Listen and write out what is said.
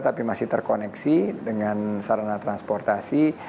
tapi masih terkoneksi dengan sarana transportasi